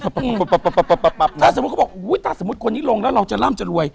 ถ้าสมมุติเขาบอกถ้าสมมุติคนนี้ลงแล้วเราจะร่ำจะรวย